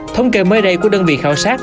thông kể mới đây của đơn vị khảo sát